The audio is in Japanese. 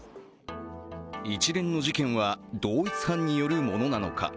一連の事件は同一犯によるものなのか？